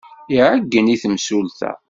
Iɛeyyen i temsulta.